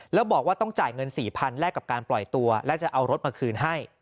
แล้วบอกว่าต้องจ่ายเงิน๔๐๐แลกกับการปล่อยตัวและจะเอารถมาคืนให้